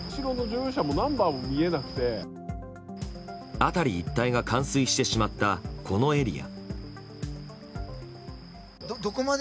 辺り一帯が冠水してしまったこのエリア。